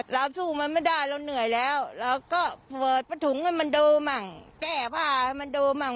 เราสู้มันไม่ได้เราเหนื่อยแล้วเราก็เปิดประถุงให้มันโดมั่งแก้ผ้าให้มันโดมั่ง